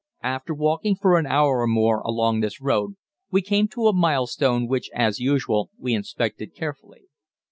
After walking for an hour or more along this road we came to a milestone which, as usual, we inspected carefully.